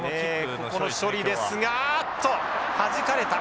ここの処理ですがあっとはじかれた！